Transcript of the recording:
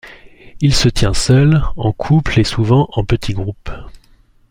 Il se tient seul, en couples et souvent en petits groupes.